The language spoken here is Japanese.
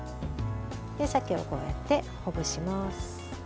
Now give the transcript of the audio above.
鮭をこうやってほぐします。